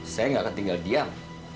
saya gak akan tinggal diam